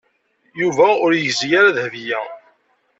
Yuba ur yegzi ara Dahbiya.